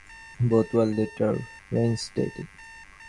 Both were later reinstated.